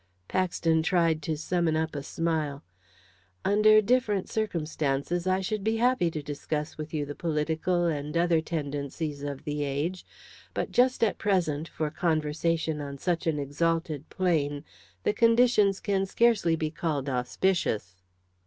Paxton tried to summon up a smile. "Under different circumstances I should be happy to discuss with you the political and other tendencies of the age, but just at present, for conversation on such an exalted plane, the conditions can scarcely be called auspicious."